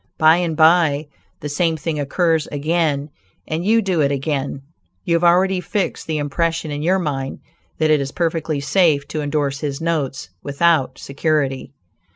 By and by, the same thing occurs again and you do it again; you have already fixed the impression in your mind that it is perfectly safe to indorse his notes without security.